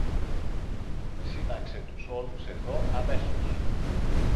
Σύναξε τους όλους εδώ, αμέσως!